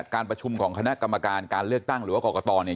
การประชุมของคณะกรรมการการเลือกตั้งหรือว่ากรกตเนี่ย